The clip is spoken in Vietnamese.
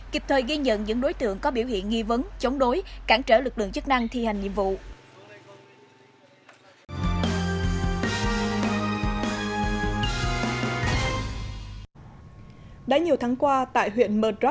kịp thời ghi nhận những đối tượng có biểu hiện nghi vấn chống đối cản trở lực lượng chức năng thi hành nhiệm vụ